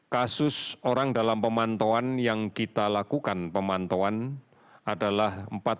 kasus orang dalam pemantauan yang kita lakukan pemantauan adalah empat puluh tiga lima ratus